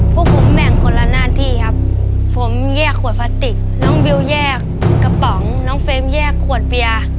ผมแยกขวดฟาติกน้องบิ๊วแยกกระป๋องน้องเฟรมแยกขวดเบียร์